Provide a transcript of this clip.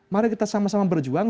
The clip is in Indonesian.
mari kita sama sama berjuang